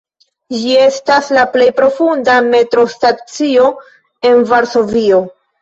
Ĝi estas la plej profunda metrostacio en Varsovio.